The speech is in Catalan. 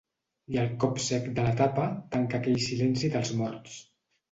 I el cop sec de la tapa tanca aquell silenci dels morts.